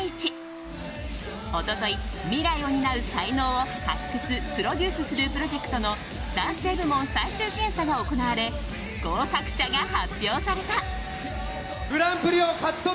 一昨日、未来を担う才能を発掘、プロデュースするプロジェクトの男性部門最終審査が行われ合格者が発表された。